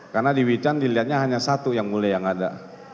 karena di wicandang dilihatnya hanya satu yang mulia yang ada